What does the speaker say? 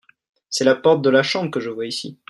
c'est la porte de la chambre que je vois ici.